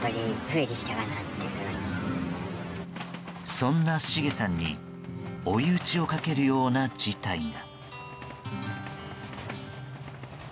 そんなシゲさんに追い打ちをかけるような事態が。